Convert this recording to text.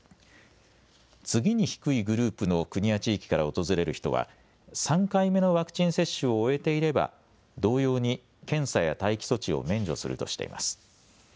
次に低いグループの国や地域から訪れる人は３回目のワクチン接種を終えていれば同様に検査や待機措置を免除するとしています。